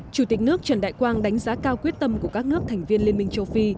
chủ tịch nước trần đại quang đánh giá cao quyết tâm của các nước thành viên liên minh châu phi